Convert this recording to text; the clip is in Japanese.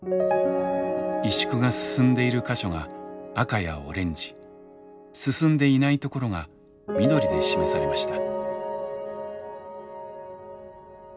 萎縮が進んでいる箇所が赤やオレンジ進んでいないところが緑で示されました。